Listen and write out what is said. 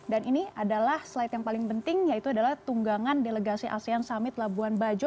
dan ini adalah slide yang paling penting yaitu adalah tunggangan delegasi asean summit labuan bajo